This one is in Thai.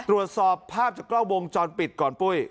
ตรวจสอบภาพจากกล้องวงจรปิดก่อนปุ้ย